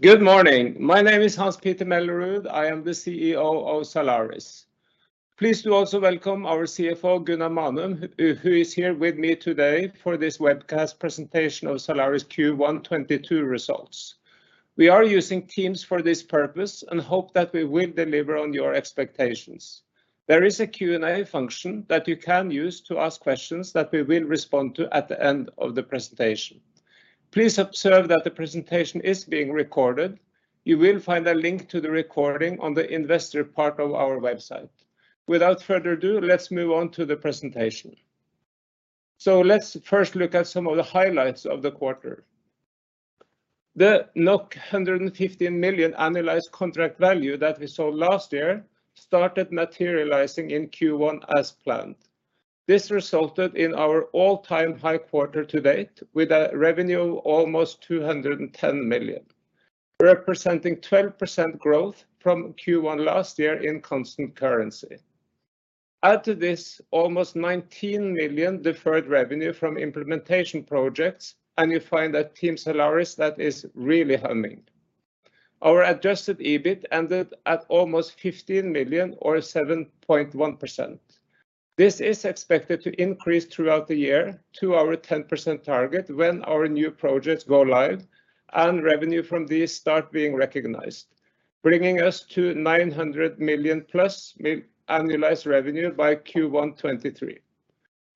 Good morning. My name is Hans-Petter Mellerud. I am the CEO of Zalaris. Please do also welcome our CFO, Gunnar Manum, who is here with me today for this webcast presentation of Zalaris Q1 2022 results. We are using Teams for this purpose and hope that we will deliver on your expectations. There is a Q&A function that you can use to ask questions that we will respond to at the end of the presentation. Please observe that the presentation is being recorded. You will find a link to the recording on the investor part of our website. Without further ado, let's move on to the presentation. Let's first look at some of the highlights of the quarter. The 150 million analyzed contract value that we saw last year started materializing in Q1 as planned. This resulted in our all-time high quarter to date, with revenue almost 210 million, representing 12% growth from Q1 last year in constant currency. Add to this almost 19 million deferred revenue from implementation projects, and you find a team Zalaris that is really humming. Our adjusted EBIT ended at almost 15 million, or 7.1%. This is expected to increase throughout the year to our 10% target when our new projects go live and revenue from these start being recognized, bringing us to 900 million-plus in annualized revenue by Q1 2023.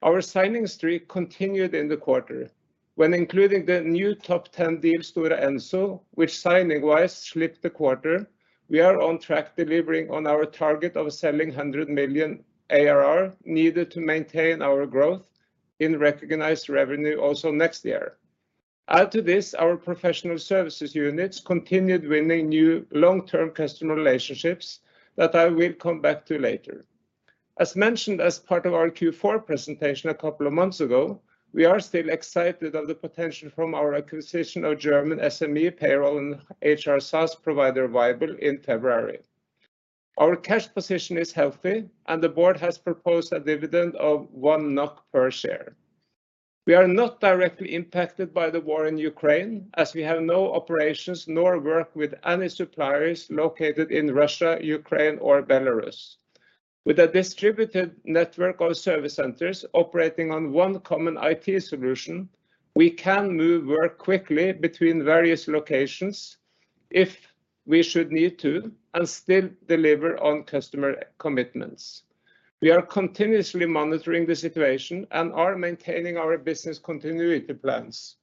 Our signing streak continued in the quarter. When including the new top 10 deal Stora Enso, which signing-wise slipped the quarter, we are on track delivering on our target of selling 100 million ARR needed to maintain our growth in recognized revenue also next year. Add to this our professional services units continued winning new long-term customer relationships that I will come back to later. As mentioned as part of our Q4 presentation a couple of months ago, we are still excited at the potential from our acquisition of German SME payroll and HR SaaS provider vyble in February. Our cash position is healthy and the board has proposed a dividend of 1 NOK per share. We are not directly impacted by the war in Ukraine, as we have no operations nor work with any suppliers located in Russia, Ukraine, or Belarus. With a distributed network of service centers operating on one common IT solution, we can move work quickly between various locations if we should need to and still deliver on customer commitments. We are continuously monitoring the situation and are maintaining our business continuity plans.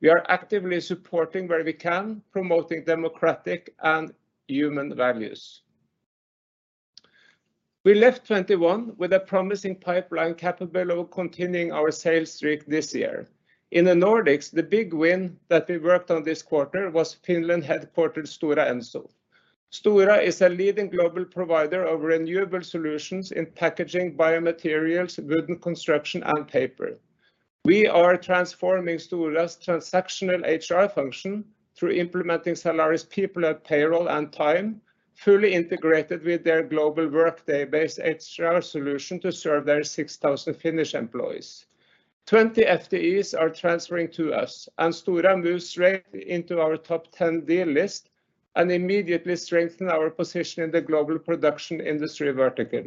We are actively supporting where we can, promoting democratic and human values. We left 2021 with a promising pipeline capable of continuing our sales streak this year. In the Nordics, the big win that we worked on this quarter was Finland-headquartered Stora Enso. Stora is a leading global provider of renewable solutions in packaging, biomaterials, wooden construction, and paper. We are transforming Stora's transactional HR function through implementing Zalaris PeopleHub payroll and time, fully integrated with their global Workday-based HR solution to serve their 6,000 Finnish employees. 20 FTEs are transferring to us, and Stora moves right into our top 10 deal list and immediately strengthen our position in the global production industry vertical.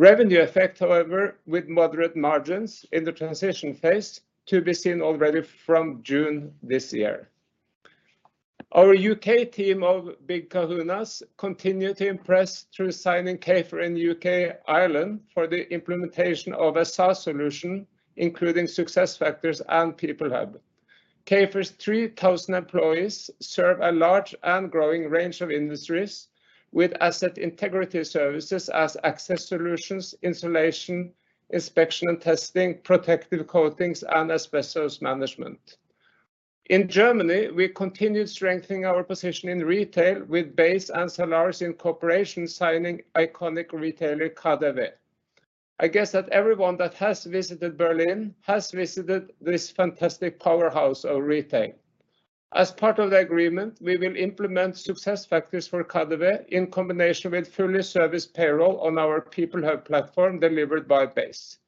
Revenue effect, however, with moderate margins in the transition phase to be seen already from June this year. Our U.K. team of Big Kahunas continue to impress through signing KAEFER in U.K., Ireland for the implementation of a SaaS solution, including SuccessFactors and PeopleHub. KAEFER's 3,000 employees serve a large and growing range of industries with asset integrity services as access solutions, insulation, inspection and testing, protective coatings, and asbestos management. In Germany, we continued strengthening our position in retail with ba.se. and Zalaris in cooperation signing iconic retailer KaDeWe. I guess that everyone that has visited Berlin has visited this fantastic powerhouse of retail. As part of the agreement, we will implement SuccessFactors for KaDeWe in combination with fully serviced payroll on our PeopleHub platform delivered by ba.se.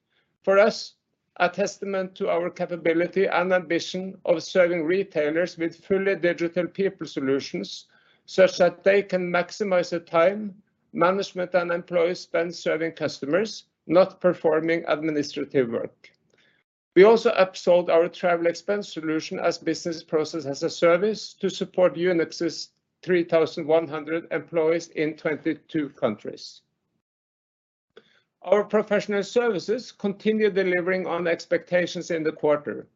For us, a testament to our capability and ambition of serving retailers with fully digital people solutions such that they can maximize the time management and employees spend serving customers, not performing administrative work. We also upsold our travel expense solution as business process as a service to support UNOX's 3,100 employees in 22 countries. Our professional services continued delivering on expectations in the quarter.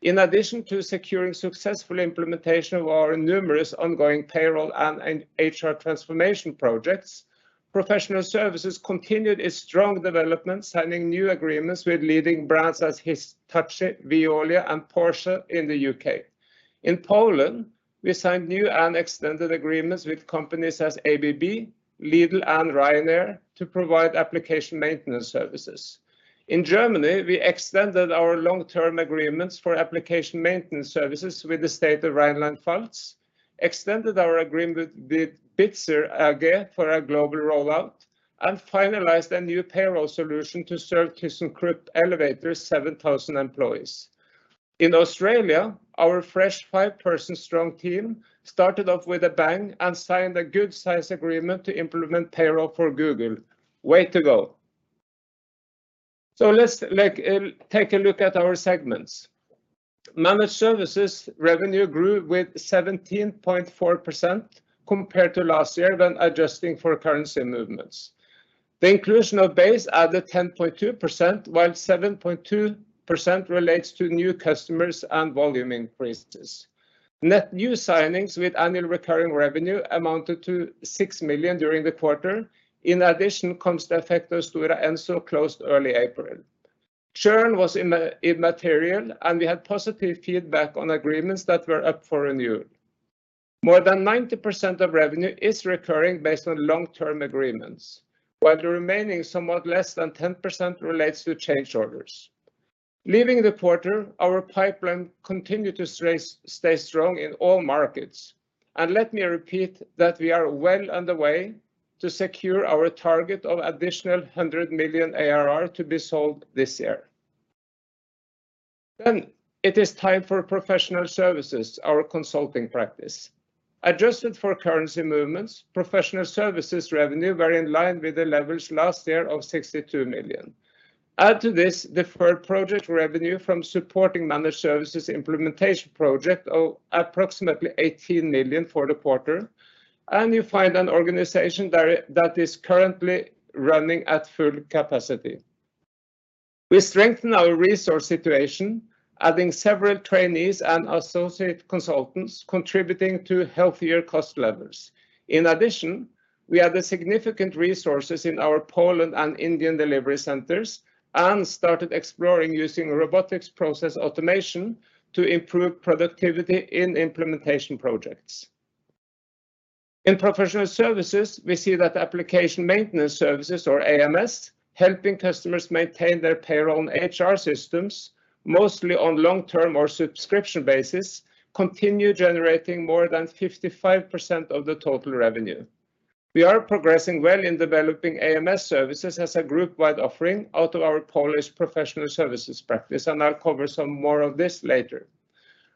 In addition to securing successful implementation of our numerous ongoing payroll and HR transformation projects, professional services continued its strong development, signing new agreements with leading brands as Hitachi, Veolia, and Porsche in the UK. In Poland, we signed new and extended agreements with companies as ABB, Lidl, and Ryanair to provide application maintenance services. In Germany, we extended our long-term agreements for application maintenance services with the state of Rheinland-Pfalz, extended our agreement with BITZER SE for a global rollout and finalized a new payroll solution to serve TK Elevator's 7,000 employees. In Australia, our fresh 5-person strong team started off with a bang and signed a good size agreement to implement payroll for Google. Way to go. Let's like take a look at our segments. Managed services revenue grew with 17.4% compared to last year when adjusting for currency movements. The inclusion of ba.se. added 10.2%, while 7.2% relates to new customers and volume increases. Net new signings with annual recurring revenue amounted to 6 million during the quarter. In addition, the contract for Stora Enso closed early April. Churn was immaterial, and we had positive feedback on agreements that were up for renewal. More than 90% of revenue is recurring based on long-term agreements, while the remaining somewhat less than 10% relates to change orders. Leaving the quarter, our pipeline continued to stay strong in all markets. Let me repeat that we are well underway to secure our target of additional 100 million ARR to be sold this year. It is time for professional services, our consulting practice. Adjusted for currency movements, professional services revenue were in line with the levels last year of 62 million. Add to this deferred project revenue from supporting managed services implementation project of approximately 18 million for the quarter, and you find an organization that is currently running at full capacity. We strengthen our resource situation, adding several trainees and associate consultants contributing to healthier cost levels. In addition, we added significant resources in our Poland and Indian delivery centers and started exploring using robotic process automation to improve productivity in implementation projects. In professional services, we see that application maintenance services, or AMS, helping customers maintain their payroll and HR systems, mostly on long-term or subscription basis, continue generating more than 55% of the total revenue. We are progressing well in developing AMS services as a group-wide offering out of our Polish professional services practice, and I'll cover some more of this later.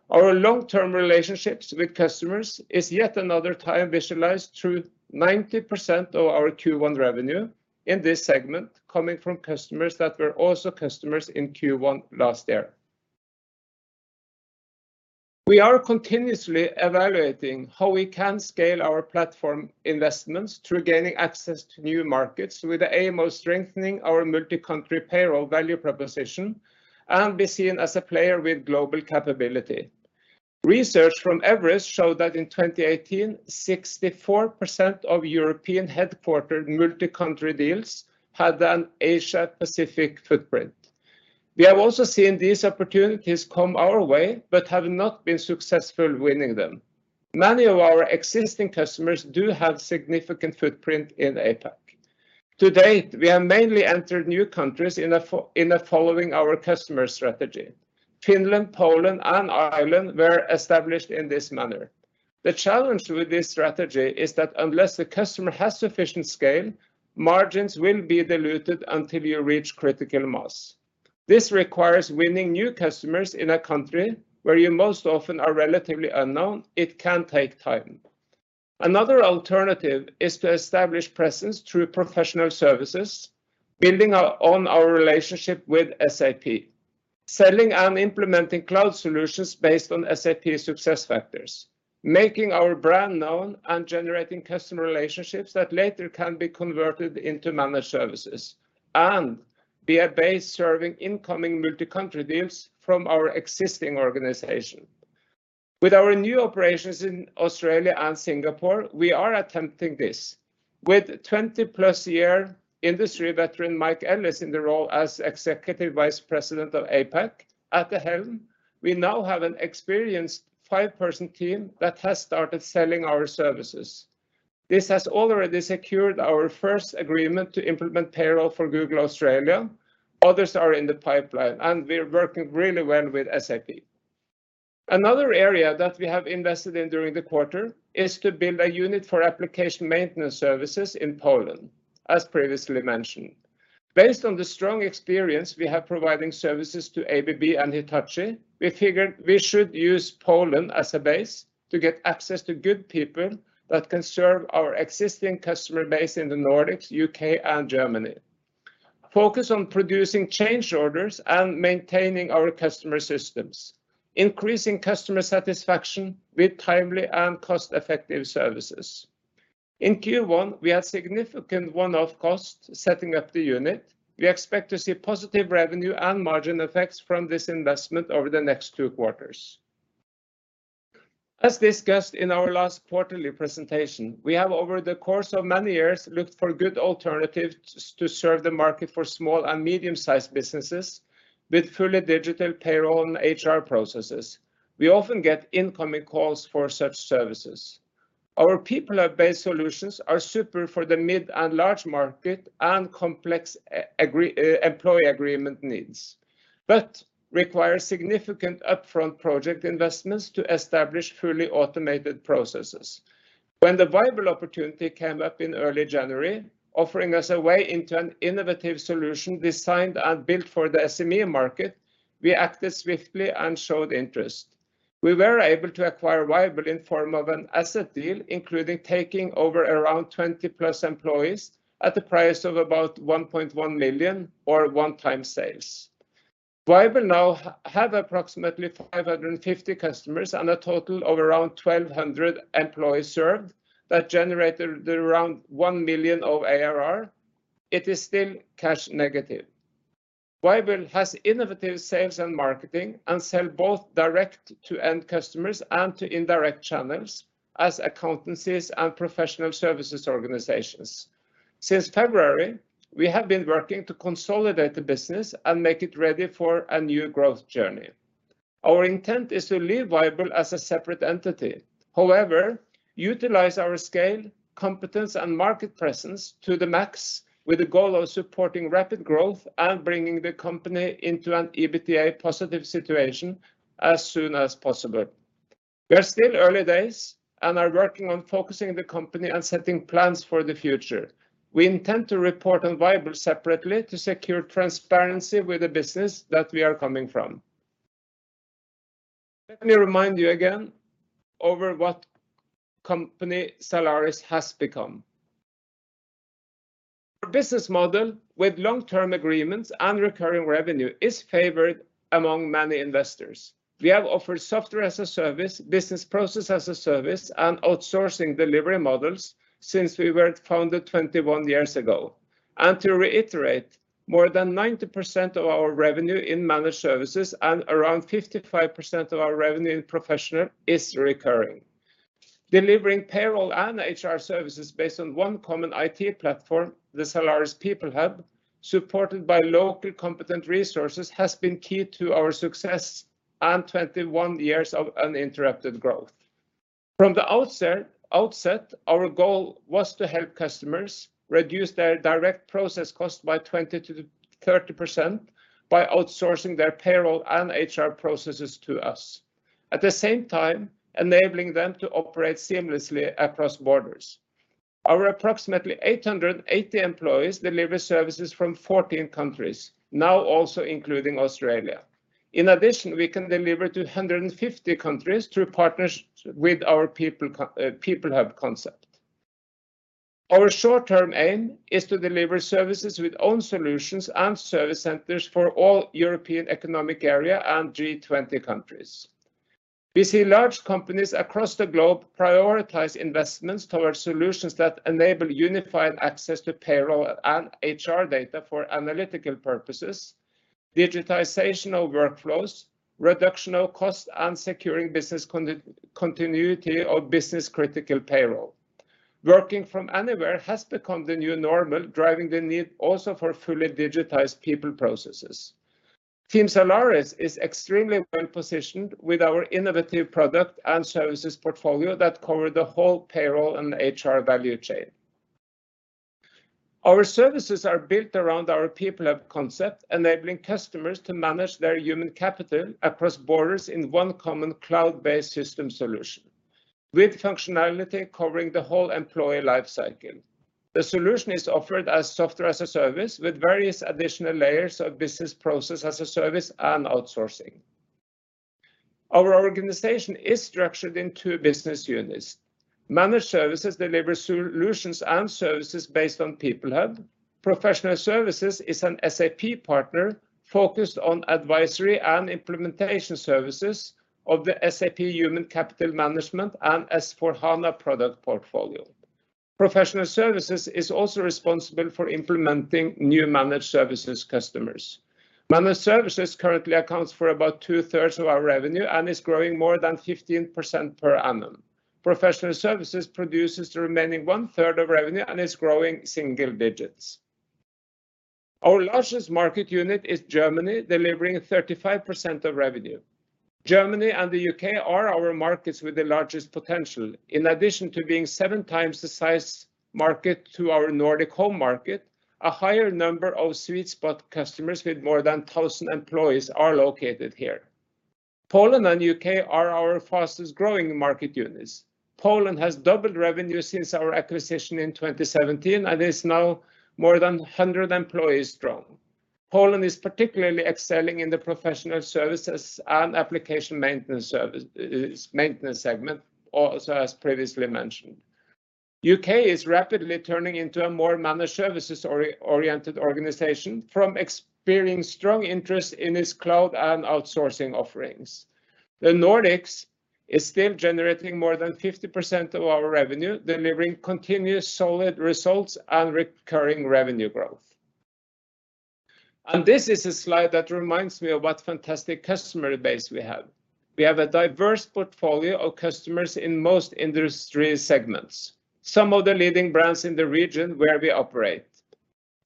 Our long-term relationships with customers is yet another time visualized through 90% of our Q1 revenue in this segment coming from customers that were also customers in Q1 last year. We are continuously evaluating how we can scale our platform investments through gaining access to new markets with the aim of strengthening our multi-country payroll value proposition and be seen as a player with global capability. Research from Everest showed that in 2018, 64% of European headquartered multi-country deals had an Asia-Pacific footprint. We have also seen these opportunities come our way, but have not been successful winning them. Many of our existing customers do have significant footprint in APAC. To date, we have mainly entered new countries following our customer strategy. Finland, Poland, and Ireland were established in this manner. The challenge with this strategy is that unless the customer has sufficient scale, margins will be diluted until you reach critical mass. This requires winning new customers in a country where you most often are relatively unknown. It can take time. Another alternative is to establish presence through professional services, building on our relationship with SAP, selling and implementing cloud solutions based on SAP SuccessFactors, making our brand known and generating customer relationships that later can be converted into managed services, and be a base serving incoming multi-country deals from our existing organization. With our new operations in Australia and Singapore, we are attempting this. With 20+ year industry veteran Mike Ellis in the role as Executive Vice President of APAC at the helm, we now have an experienced 5-person team that has started selling our services. This has already secured our first agreement to implement payroll for Google Australia. Others are in the pipeline, and we're working really well with SAP. Another area that we have invested in during the quarter is to build a unit for application maintenance services in Poland, as previously mentioned. Based on the strong experience we have providing services to ABB and Hitachi, we figured we should use Poland as a base to get access to good people that can serve our existing customer base in the Nordics, UK, and Germany. Focus on producing change orders and maintaining our customer systems, increasing customer satisfaction with timely and cost-effective services. In Q1, we had significant one-off costs setting up the unit. We expect to see positive revenue and margin effects from this investment over the next two quarters. As discussed in our last quarterly presentation, we have over the course of many years looked for good alternatives to serve the market for small and medium sized businesses with fully digital payroll and HR processes. We often get incoming calls for such services. Our PeopleHub solutions are super for the mid and large market and complex employee agreement needs, but require significant upfront project investments to establish fully automated processes. When the viable opportunity came up in early January, offering us a way into an innovative solution designed and built for the SME market. We acted swiftly and showed interest. We were able to acquire vyble in form of an asset deal, including taking over around 20+ employees at the price of about 1.1 million one-time sales. vyble now have approximately 550 customers and a total of around 1,200 employees served that generated around 1 million of ARR. It is still cash negative. vyble has innovative sales and marketing, and sell both direct to end customers and to indirect channels as accountancies and professional services organizations. Since February, we have been working to consolidate the business and make it ready for a new growth journey. Our intent is to leave vyble as a separate entity, however, utilize our scale, competence, and market presence to the max, with the goal of supporting rapid growth and bringing the company into an EBITDA positive situation as soon as possible. We are still in early days, and are working on focusing the company and setting plans for the future. We intend to report on vyble separately to secure transparency with the business that we are coming from. Let me remind you again of what company Zalaris has become. Our business model with long-term agreements and recurring revenue is favored among many investors. We have offered software as a service, business process as a service, and outsourcing delivery models since we were founded 21 years ago. To reiterate, more than 90% of our revenue in managed services and around 55% of our revenue in professional is recurring. Delivering payroll and HR services based on one common IT platform, the Zalaris PeopleHub, supported by local competent resources, has been key to our success and 21 years of uninterrupted growth. From the outset, our goal was to help customers reduce their direct process cost by 20%-30% by outsourcing their payroll and HR processes to us, at the same time enabling them to operate seamlessly across borders. Our approximately 880 employees deliver services from 14 countries, now also including Australia. In addition, we can deliver to 150 countries through partners with our PeopleHub concept. Our short-term aim is to deliver services with own solutions and service centers for all European Economic Area and G20 countries. We see large companies across the globe prioritize investments towards solutions that enable unified access to payroll and HR data for analytical purposes, digitization of workflows, reduction of cost, and securing business continuity of business critical payroll. Working from anywhere has become the new normal, driving the need also for fully digitized people processes. Team Zalaris is extremely well positioned with our innovative product and services portfolio that cover the whole payroll and HR value chain. Our services are built around our PeopleHub concept, enabling customers to manage their human capital across borders in one common cloud-based system solution, with functionality covering the whole employee life cycle. The solution is offered as software as a service with various additional layers of business process as a service and outsourcing. Our organization is structured in two business units. Managed Services delivers solutions and services based on PeopleHub. Professional Services is an SAP partner focused on advisory and implementation services of the SAP human capital management and S/4HANA product portfolio. Professional Services is also responsible for implementing new Managed Services customers. Managed Services currently accounts for about two-thirds of our revenue and is growing more than 15% per annum. Professional services produces the remaining 1/3 of revenue and is growing single digits. Our largest market unit is Germany, delivering 35% of revenue. Germany and the U.K. are our markets with the largest potential. In addition to being seven times the size market to our Nordic home market, a higher number of sweet spot customers with more than 1,000 employees are located here. Poland and U.K. are our fastest growing market units. Poland has doubled revenue since our acquisition in 2017 and is now more than 100 employees strong. Poland is particularly excelling in the professional services and application maintenance service, its maintenance segment, also as previously mentioned. U.K. is rapidly turning into a more managed services oriented organization from experiencing strong interest in its cloud and outsourcing offerings. The Nordics is still generating more than 50% of our revenue, delivering continuous solid results and recurring revenue growth. This is a slide that reminds me of what fantastic customer base we have. We have a diverse portfolio of customers in most industry segments, some of the leading brands in the region where we operate.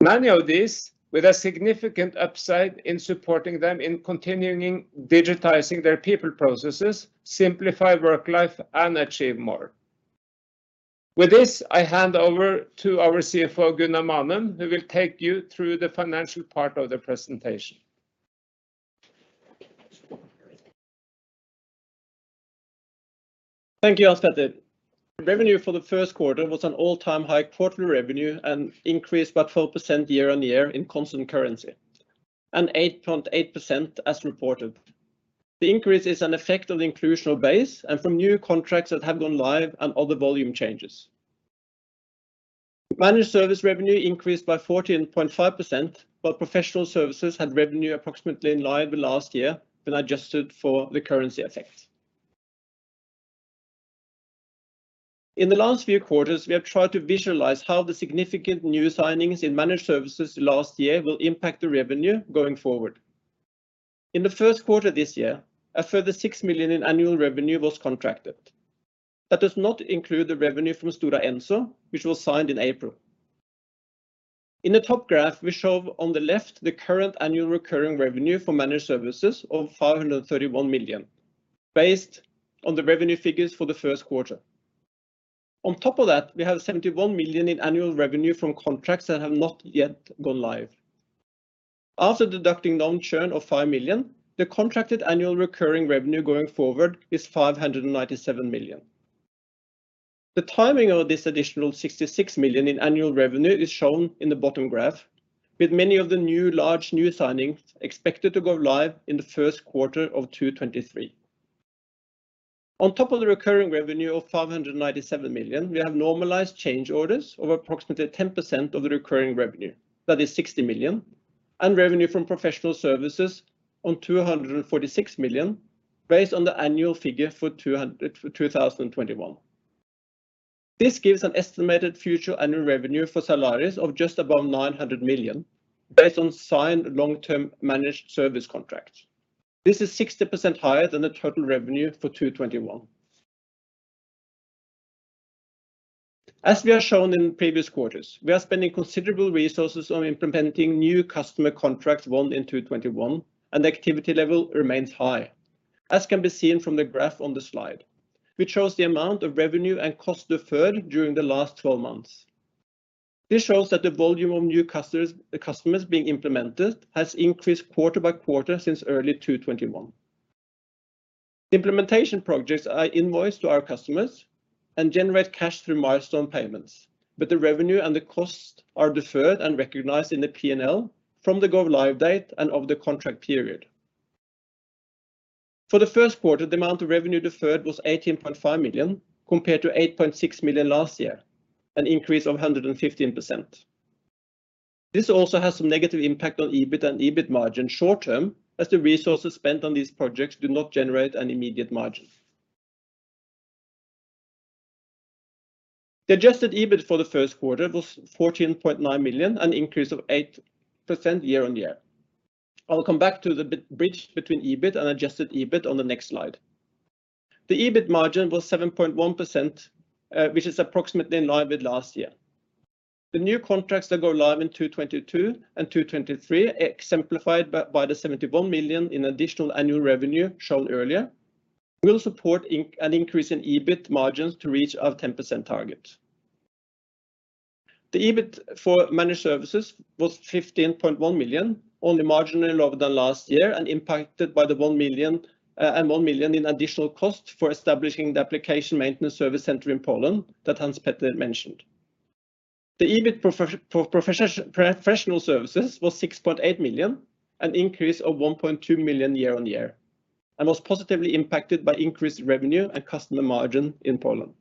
Many of these with a significant upside in supporting them in continuing digitizing their people processes, simplify work life, and achieve more. With this, I hand over to our CFO, Gunnar Manum, who will take you through the financial part of the presentation. Thank you, Hans-Petter. Revenue for the Q1 was an all-time high quarterly revenue and increased by 4% year-on-year in constant currency, and 8.8% as reported. The increase is an effect of the inclusion of ba.se. and from new contracts that have gone live and other volume changes. Managed service revenue increased by 14.5%, while professional services had revenue approximately in line with last year when adjusted for the currency effect. In the last few quarters, we have tried to visualize how the significant new signings in managed services last year will impact the revenue going forward. In the Q1 this year, a further 6 million in annual revenue was contracted. That does not include the revenue from Stora Enso, which was signed in April. In the top graph, we show on the left the current annual recurring revenue for managed services of 531 million based on the revenue figures for the Q1 Q1. On top of that, we have 71 million in annual revenue from contracts that have not yet gone live. After deducting net churn of 5 million, the contracted annual recurring revenue going forward is 597 million. The timing of this additional 66 million in annual revenue is shown in the bottom graph, with many of the new large signings expected to go live in the Q1 of 2023. On top of the recurring revenue of 597 million, we have normalized change orders of approximately 10% of the recurring revenue. That is 60 million. Revenue from professional services of 246 million based on the annual figure for 2021. This gives an estimated future annual revenue for Zalaris of just above 900 million based on signed long-term managed service contracts. This is 60% higher than the total revenue for 2021. As we have shown in previous quarters, we are spending considerable resources on implementing new customer contracts won in 2021, and the activity level remains high, as can be seen from the graph on the slide, which shows the amount of revenue and cost deferred during the last twelve months. This shows that the volume of new customers being implemented has increased quarter by quarter since early 2021. Implementation projects are invoiced to our customers and generate cash through milestone payments, but the revenue and the costs are deferred and recognized in the P&L from the go-live date and of the contract period. For the Q1, the amount of revenue deferred was 18.5 million compared to 8.6 million last year, an increase of 115%. This also has some negative impact on EBIT and EBIT margin short term, as the resources spent on these projects do not generate an immediate margin. The adjusted EBIT for the Q1 was 14.9 million, an increase of 8% year-on-year. I'll come back to the bridge between EBIT and adjusted EBIT on the next slide. The EBIT margin was 7.1%, which is approximately in line with last year. The new contracts that go live in 2022 and 2023, exemplified by the 71 million in additional annual revenue shown earlier, will support an increase in EBIT margins to reach our 10% target. The EBIT for managed services was 15.1 million, only marginally lower than last year and impacted by the 1 million and 1 million in additional cost for establishing the application maintenance service center in Poland that Hans-Petter mentioned. The EBIT professional services was 6.8 million, an increase of 1.2 million year-on-year, and was positively impacted by increased revenue and customer margin in Poland.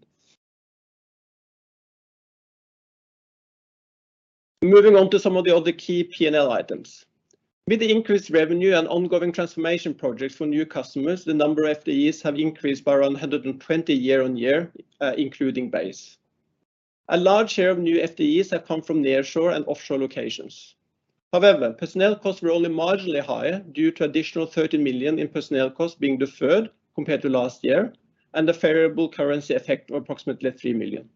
Moving on to some of the other key P&L items. With the increased revenue and ongoing transformation projects for new customers, the number of FTEs have increased by around 120 year-on-year, including ba.se. A large share of new FTEs have come from nearshore and offshore locations. However, personnel costs were only marginally higher due to additional 30 million in personnel costs being deferred compared to last year and the favorable currency effect of approximately 3 million.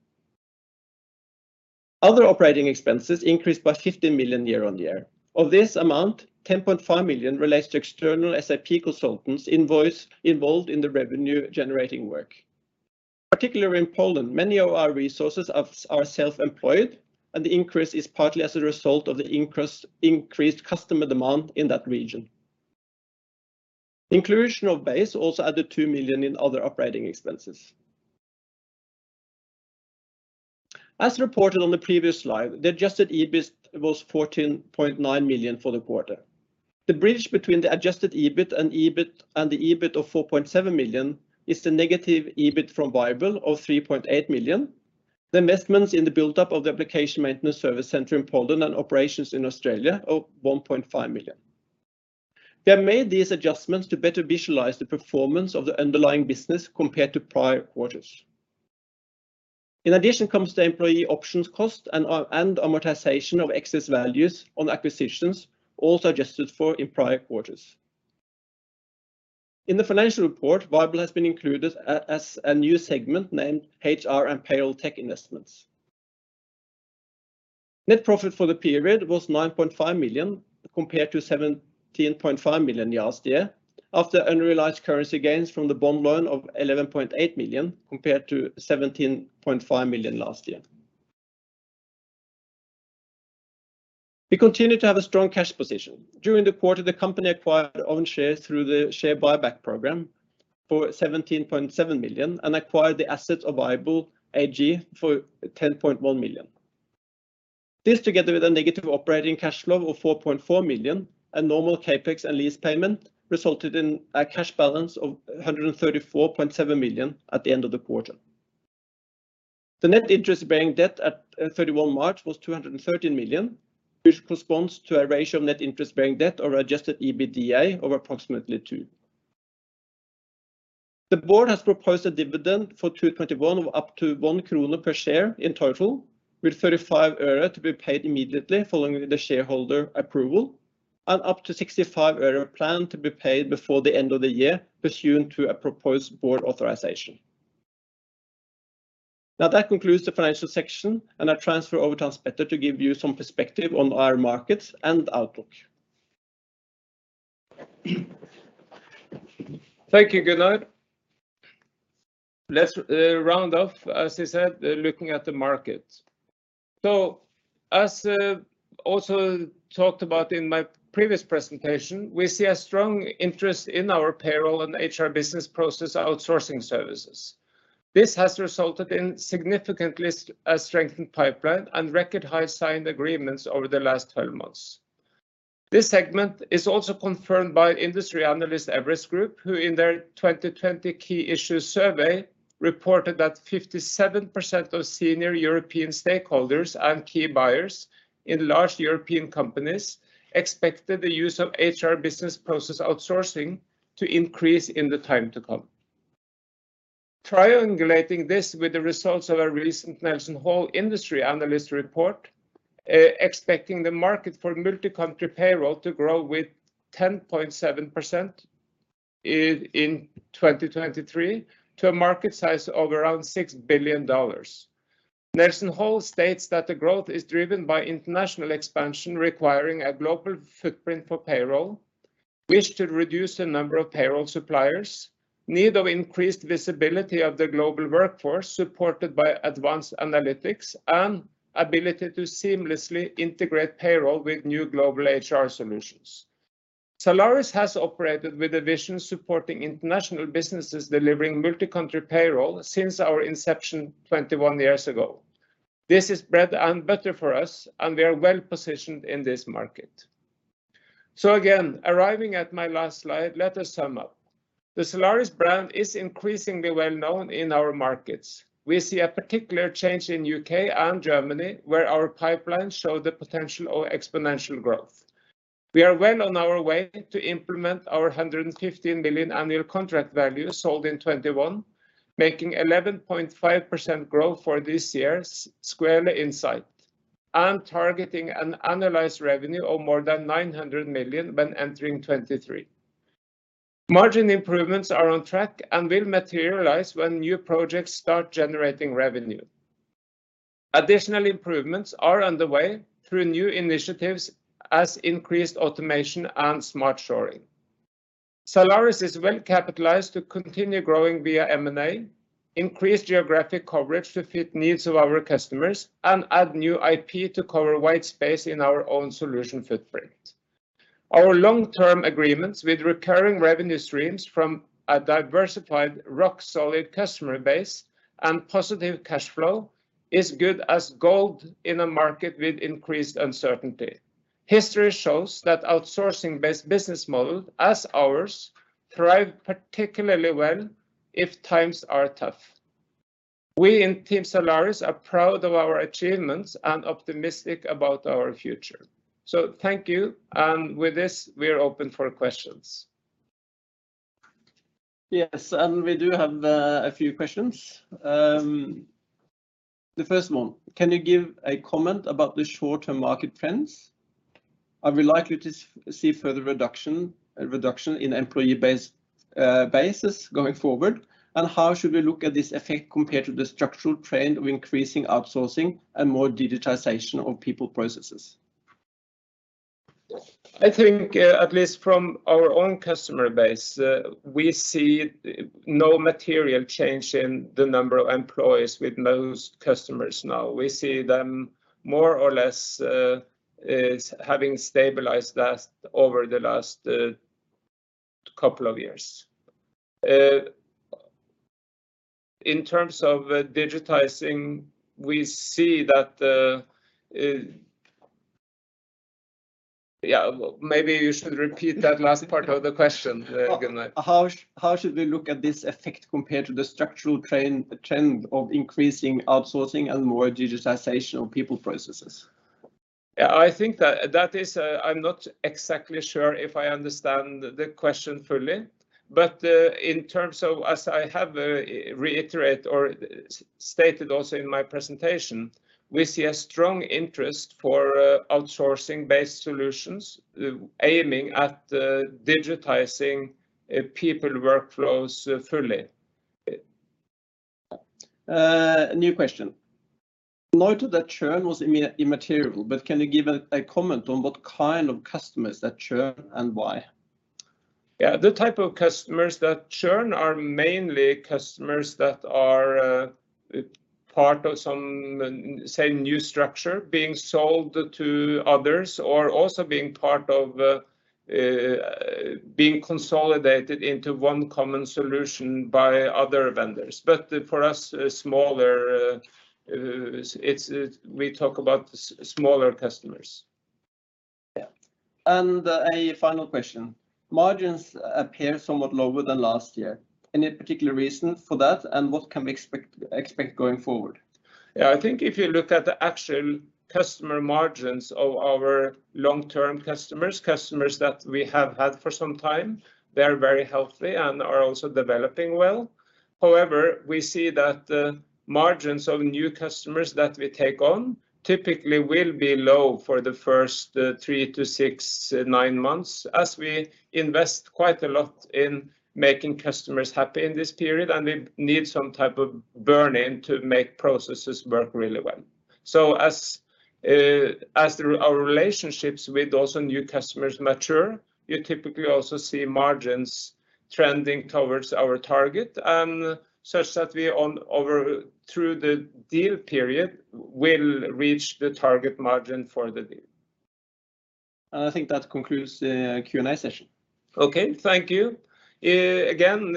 Other operating expenses increased by 50 million year on year. Of this amount, 10.5 million relates to external SAP consultants' invoice involved in the revenue-generating work. Particularly in Poland, many of our resources are self-employed, and the increase is partly as a result of the increased customer demand in that region. Inclusion of ba.se. also added 2 million in other operating expenses. As reported on the previous slide, the adjusted EBIT was 14.9 million for the quarter. The bridge between the adjusted EBIT and EBIT and the EBIT of 4.7 million is the negative EBIT from vyble of 3.8 million, the investments in the buildup of the application maintenance service center in Poland and operations in Australia of 1.5 million. We have made these adjustments to better visualize the performance of the underlying business compared to prior quarters. In addition comes the employee options cost and amortization of excess values on acquisitions, all as suggested in prior quarters. In the financial report, vyble has been included as a new segment named HR and Payroll Tech Investments. Net profit for the period was 9.5 million, compared to 17.5 million last year, after unrealized currency gains from the bond loan of 11.8 million, compared to 17.5 million last year. We continue to have a strong cash position. During the quarter, the company acquired own shares through the share buyback program for 17.7 million and acquired the assets of vyble GmbH for 10.1 million. This, together with a negative operating cash flow of 4.4 million and normal CapEx and lease payment, resulted in a cash balance of 134.7 million at the end of the quarter. The net interest-bearing debt at 31 March was 213 million, which corresponds to a ratio of net interest-bearing debt to adjusted EBITDA of approximately 2. The board has proposed a dividend for 2021 of up to 1 krone per share in total, with NOK 0.35 to be paid immediately following the shareholder approval, and up to NOK 0.65 planned to be paid before the end of the year pursuant to a proposed board authorization. Now, that concludes the financial section, and I transfer over to Hans-Petter to give you some perspective on our markets and outlook. Thank you, Gunnar. Let's round off, as I said, looking at the market. As also talked about in my previous presentation, we see a strong interest in our payroll and HR business process outsourcing services. This has resulted in significantly strengthened pipeline and record high signed agreements over the last 12 months. This segment is also confirmed by industry analyst Everest Group, who in their 2020 key issue survey reported that 57% of senior European stakeholders and key buyers in large European companies expected the use of HR business process outsourcing to increase in the time to come. Triangulating this with the results of a recent NelsonHall industry analyst report, expecting the market for multi-country payroll to grow with 10.7% in 2023 to a market size of around $6 billion. NelsonHall states that the growth is driven by international expansion requiring a global footprint for payroll, wish to reduce the number of payroll suppliers, need of increased visibility of the global workforce supported by advanced analytics, and ability to seamlessly integrate payroll with new global HR solutions. Zalaris has operated with a vision supporting international businesses delivering multi-country payroll since our inception 21 years ago. This is bread and butter for us, and we are well positioned in this market. Again, arriving at my last slide, let us sum up. The Zalaris brand is increasingly well known in our markets. We see a particular change in UK and Germany, where our pipelines show the potential of exponential growth. We are well on our way to implement our 115 million annual contract value sold in 2021, making 11.5% growth for this year squarely in sight, and targeting an annualized revenue of more than 900 million when entering 2023. Margin improvements are on track and will materialize when new projects start generating revenue. Additional improvements are underway through new initiatives as increased automation and smart shoring. Zalaris is well capitalized to continue growing via M&A, increase geographic coverage to fit needs of our customers, and add new IP to cover white space in our own solution footprint. Our long-term agreements with recurring revenue streams from a diversified rock solid customer base and positive cash flow is good as gold in a market with increased uncertainty. History shows that outsourcing-based business models like ours thrive particularly well if times are tough. We in Team Zalaris are proud of our achievements and optimistic about our future, so thank you, and with this, we're open for questions. Yes, we do have a few questions. The first one: Can you give a comment about the short-term market trends? Are we likely to see further reduction in employee base basis going forward, and how should we look at this effect compared to the structural trend of increasing outsourcing and more digitization of people processes? I think, at least from our own customer base, we see no material change in the number of employees with most customers now. We see them more or less as having stabilized over the last couple of years. In terms of digitizing, we see that. Yeah, maybe you should repeat that last part of the question, Gunnar. How should we look at this effect compared to the structural trend of increasing outsourcing and more digitization of people processes? Yeah. I think that is, I'm not exactly sure if I understand the question fully, but in terms of, as I have stated also in my presentation, we see a strong interest for outsourcing-based solutions, aiming at digitizing people workflows fully. New question. Noted that churn was immaterial, but can you give a comment on what kind of customers that churn and why? The type of customers that churn are mainly customers that are part of some, say, new structure being sold to others or also being part of being consolidated into one common solution by other vendors. For us, we talk about smaller customers. Yeah. A final question. Margins appear somewhat lower than last year. Any particular reason for that, and what can we expect going forward? Yeah. I think if you look at the actual customer margins of our long-term customers that we have had for some time, they are very healthy and are also developing well. However, we see that the margins of new customers that we take on typically will be low for the first 3-6, 9 months as we invest quite a lot in making customers happy in this period, and we need some type of burn-in to make processes work really well. As our relationships with those new customers mature, you typically also see margins trending towards our target, and such that we on over through the deal period will reach the target margin for the deal. I think that concludes the Q&A session. Okay. Thank you. Again,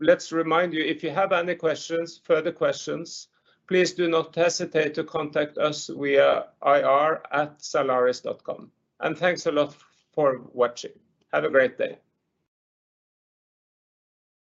let's remind you if you have any questions, further questions, please do not hesitate to contact us via ir@zalaris.com. Thanks a lot for watching. Have a great day.